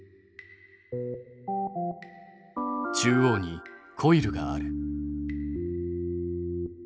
中央にコイルがある。